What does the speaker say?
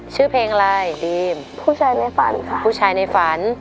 ชื่อเพลงอะไรดีมผู้ชายในฝันค่ะผู้ชายในฝัน